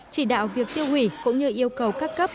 chỉ đạo việc tiêu hủy cũng như yêu cầu các cấp